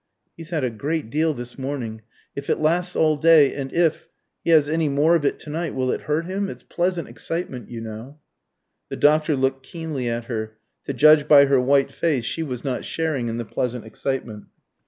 "He's had a great deal this morning. If it lasts all day, and if he has any more of it to night, will it hurt him? It's pleasant excitement, you know." The doctor looked keenly at her. To judge by her white face she was not sharing in the pleasant excitement.